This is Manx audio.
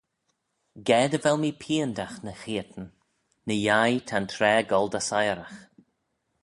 Ga dy vel mee piandagh ny cheayrtyn, ny-yeih ta'n traa goll dy syragh.